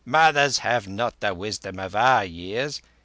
Mothers have not the wisdom of our years.